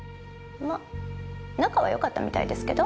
まあ仲は良かったみたいですけど。